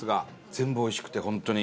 全部おいしくて本当に。